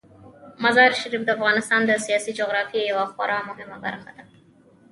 مزارشریف د افغانستان د سیاسي جغرافیې یوه خورا مهمه برخه ده.